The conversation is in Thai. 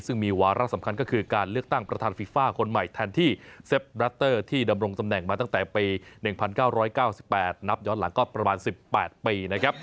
ซึ่งมีวาระสำคัญก็คือการเลือกตั้งประธานฟีฟ่าคนใหม่แทนที่เซฟแรตเตอร์ที่ดำรงตำแหน่งมาตั้งแต่ปี๑๙๙๘นับย้อนหลังก็ประมาณ๑๘ปีนะครับ